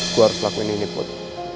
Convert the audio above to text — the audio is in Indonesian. gue harus lakuin ini put